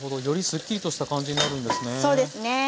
よりすっきりとした感じになるんですね。